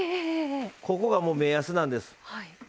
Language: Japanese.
ここが目安なんです。